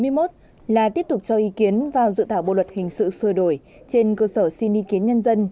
phiên họp thứ bốn mươi một là tiếp tục cho ý kiến vào dự tả bộ luật hình sự sơ đổi trên cơ sở xin ý kiến nhân dân